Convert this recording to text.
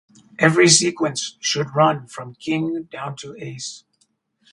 Every sequence should run from King down to Ace.